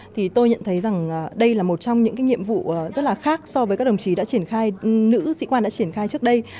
thì tôi nhận thấy rằng đây là một trong những nhiệm vụ rất là khác so với các đồng chí đã triển khai nữ sĩ quan đã triển khai trước đây